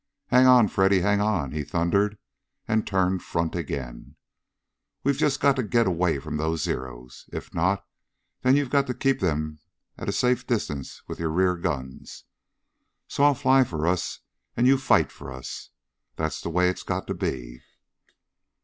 "Hang on, Freddy, hang on!" he thundered, and turned front again. "We've just got to get away from those Zeros. If not, then you've got to keep them at a safe distance with your rear guns. So I'll fly for us, and you fight for us. That's the way it has got to be."